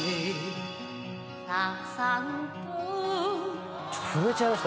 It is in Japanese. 「雨潸々と」震えちゃいました。